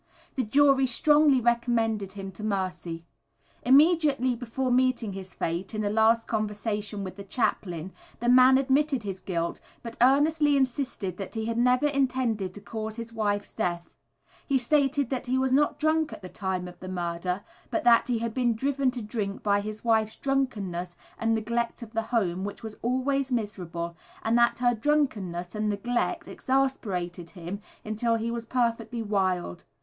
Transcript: The jury strongly recommended him to mercy. Immediately before meeting his fate, in a last conversation with the chaplain, the man admitted his guilt but earnestly insisted that he had never intended to cause his wife's death. He stated that he was not drunk at the time of the murder, but that he had been driven to drink by his wife's drunkenness and neglect of the home, which was always miserable; and that her drunkenness and neglect exasperated him until he was perfectly wild.